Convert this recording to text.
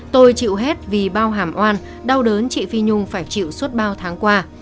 tôi chịu hết vì bao hàm oan đau đớn chị phi nhung phải chịu suốt bao tháng qua